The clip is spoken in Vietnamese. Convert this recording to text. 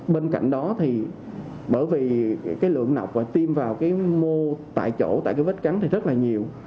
bên cạnh đó thì bởi vì cái lượng nọc và tiêm vào cái mô tại chỗ tại cái vết cắn thì rất là nhiều